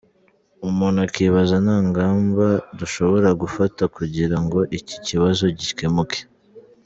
Umuntu akibaza nta ngamba dushobora gufata kugira ngo iki kibazo gikemuke?”.